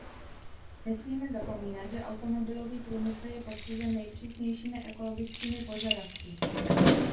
Nesmíme zapomínat, že automobilový průmysl je postižen nejpřísnějšími ekologickými požadavky.